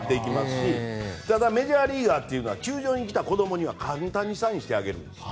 しメジャーリーガーというのは球場に来た子どもには簡単にサインしてあげるんです。